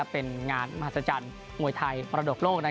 เป็นงานมาหสจรรค์มวยไทยประดบโลก